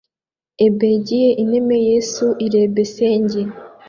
Ebegiye ineme, Yesu irebesenge